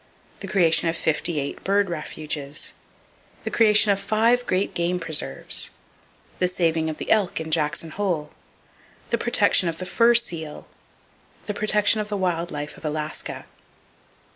The creation of fifty eight bird refuges. The creation of five great game preserves. The saving of the elk in Jackson Hole. The protection of the fur seal. The protection of the wild life of Alaska.